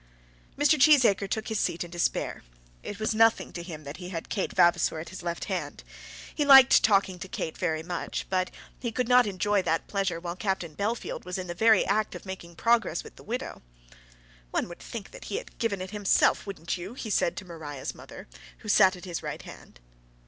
Mr. Cheesacre took his seat in despair. It was nothing to him that he had Kate Vavasor at his left hand. He liked talking to Kate very well, but he could not enjoy that pleasure while Captain Bellfield was in the very act of making progress with the widow. "One would think that he had given it himself; wouldn't you?" he said to Maria's mother, who sat at his right hand.